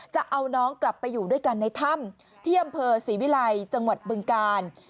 จะเอาน้องกลับไปอยู่ด้วยกันในถ้ำที่อำเภอศรีวิลัยจังหวัดบึงกาล